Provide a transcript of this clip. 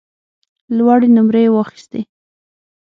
لوړې نمرې یې واخیستې.